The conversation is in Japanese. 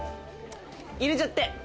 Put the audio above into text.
入れちゃって。